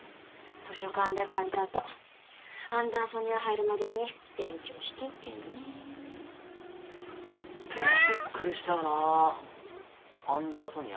図書館で借りたとアンダーソニア入るまでに勉強しとくけんねでもびっくりしたよなアンダーソニア？